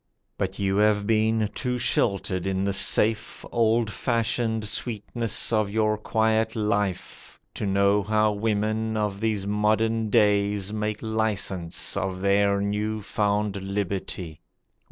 But you have been too sheltered in the safe, Old fashioned sweetness of your quiet life, To know how women of these modern days Make licence of their new found liberty.